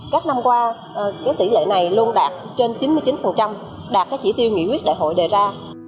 các năm qua tỷ lệ này luôn đạt trên chín mươi chín đạt chỉ tiêu nghị quyết đại hội đề ra